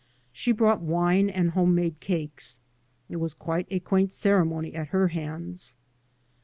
She brought wine and home made cakes; it was quite a quaint ceremony at her hands.